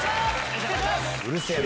うるせえな。